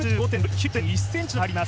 ９．１ｃｍの差があります。